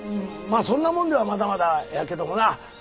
あそんなもんではまだまだやけどもな。